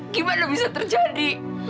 gimana bisa terjadi